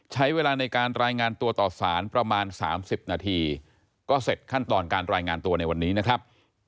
ใช้เวลาในการรายงานตัวต่อสารประมาณ๓๐นาทีก็เสร็จขั้นตอนการรายงานตัวในวันนี้นะครับ